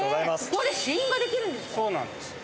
ここで試飲ができるんですか？